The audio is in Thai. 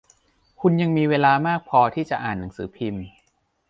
คุณยังมีเวลามากพอที่จะอ่านหนังสือพิมพ์